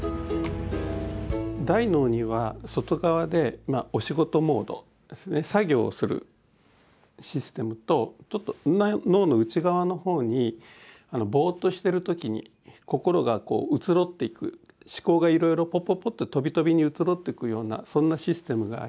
大脳には外側でお仕事モード作業をするシステムとちょっと脳の内側のほうにボーッとしてる時に心が移ろっていく思考がいろいろポッポッポッととびとびに移ろっていくようなそんなシステムがあります。